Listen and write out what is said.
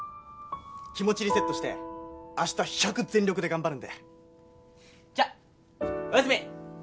気持ちリセットして明日１００全力で頑張るんでじゃっおやすみ！